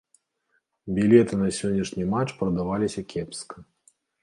Білеты на сённяшні матч прадаваліся кепска.